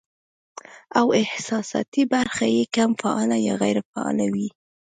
او احساساتي برخه ئې کم فعاله يا غېر فعاله وي